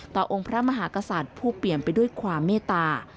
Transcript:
องค์พระมหากษัตริย์ผู้เปลี่ยนไปด้วยความเมตตา